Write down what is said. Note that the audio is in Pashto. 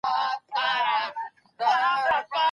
د بهرني سياست بريا د کورني ثبات زېږنده ده.